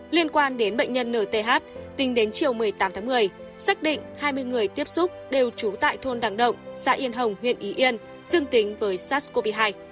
liên quan đến bệnh nhân nth tính đến chiều một mươi tám tháng một mươi xác định hai mươi người tiếp xúc đều trú tại thôn đăng động xã yên hồng huyện ý yên dương tính với sars cov hai